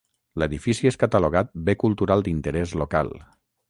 L'edifici és catalogat Bé Cultural d'Interès Local.